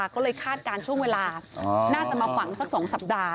ก็เลยคาดการณ์ช่วงเวลาน่าจะมาฝังสัก๒สัปดาห์